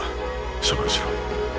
処分しろ。